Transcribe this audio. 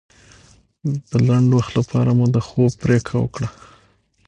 د لنډ وخت لپاره مو د خوب پرېکړه وکړه.